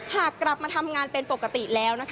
หากกลับมาทำงานเป็นปกติแล้ว